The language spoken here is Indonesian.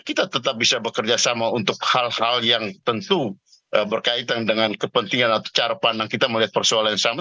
kita tetap bisa bekerja sama untuk hal hal yang tentu berkaitan dengan kepentingan atau cara pandang kita melihat persoalan yang sama